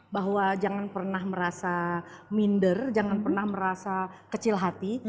bahwa jangan pernah merasa minder jangan pernah merasa kecil hati